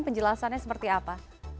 penjelasannya seperti apa